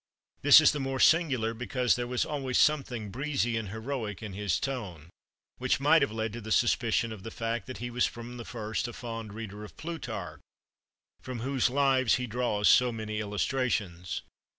This is the more singular because there was always something breezy and heroic in his tone, which might have led to the suspicion of the fact that he was from the first a fond reader of Plutarch, from whose "Lives" he draws so many illustrations.